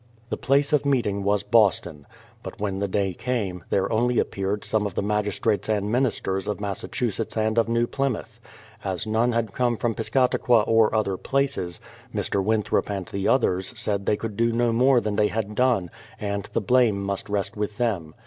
The place of meeting was Boston. But when the day came, there only appeared some of the magistrates and ministers of Massachusetts and of New Plymouth. As none had come from Piscata qua or other places, Mr. Winthrop and the others said they could do no more than they had done, and the blame must THE PLYMOUTH SETTLEMENT 259 rest with them.